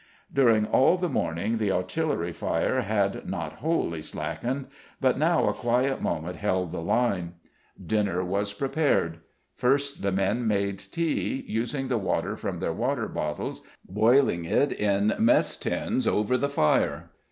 During all the morning the artillery fire had not wholly slackened, but now a quiet moment held the line. Dinner was prepared. First the men made tea, using the water from their water bottles and boiling it in mess tins over the fire.